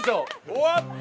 終わった。